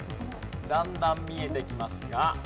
だんだん見えてきますが。